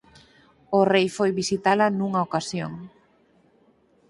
O rei foi visitala nunha ocasión.